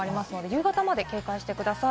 夕方まで警戒してください。